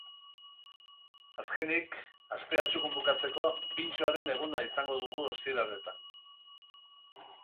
Azkenik, astea txukun bukatzeko, pintxoaren eguna izango dugu ostiraletan.